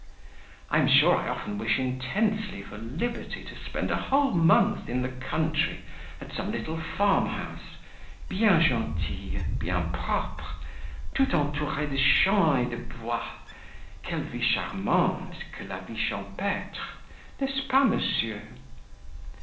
I am sure I often wish intensely for liberty to spend a whole month in the country at some little farm house, bien gentille, bien propre, tout entouree de champs et de bois; quelle vie charmante que la vie champetre! N'est ce pas, monsieur?"